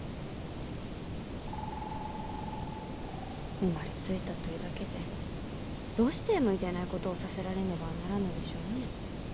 生まれついたというだけでどうして向いていないことをさせられねばならんのでしょうね。